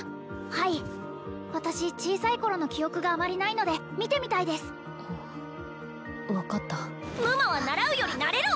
はい私小さい頃の記憶があまりないので見てみたいです分かった夢魔は習うより慣れろ！